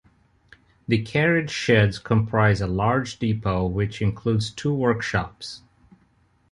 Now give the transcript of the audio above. The carriage sheds comprise a large depot which includes two workshops.